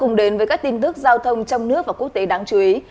chúng ta cùng đến với các tin thức giao thông trong nước và quốc tế đáng chú ý